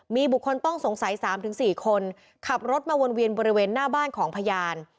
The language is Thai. มีบุคคลต้องสงสัย๓๔คนขับรถมาวนเวียนบริเวณหน้าบ้านของพยาน